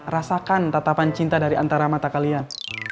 rasakan tatapan cinta dari antara mata kalian